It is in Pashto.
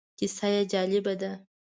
کیسه یې جالبه ده.